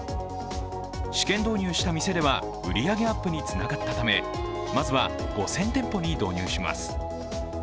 試験導入した店では売り上げアップにつながったためまずは５０００店舗に導入します。